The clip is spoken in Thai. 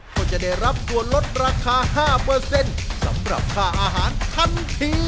ก็จะได้รับส่วนลดราคา๕สำหรับค่าอาหารทันที